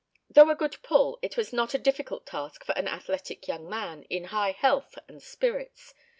Though a good pull it was not a difficult task for an athletic young man, in high health and spirits.